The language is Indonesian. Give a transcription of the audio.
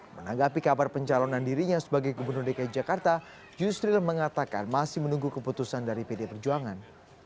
menanggapi kabar pencalonan dirinya sebagai gubernur dki jakarta yusril mengatakan masih menunggu keputusan dari pd perjuangan